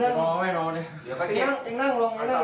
ไอ้บอยเริ่มตั้งประสิทธิ์ได้เลย